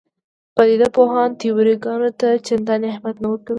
پدیده پوهان تیوري ګانو ته چندانې اهمیت نه ورکوي.